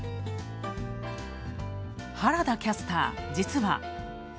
原田キャスター、実は。